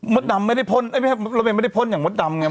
ดำไม่ได้พ่นรถเมย์ไม่ได้พ่นอย่างมดดำไง